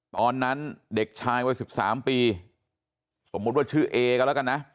ตอนนั้นเด็กชายวัย๑๓ปีสมมุติว่าชื่อเอก็แล้วกันนะ